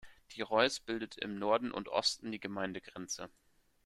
Die Reuss bildet im Norden und Osten die Gemeindegrenze.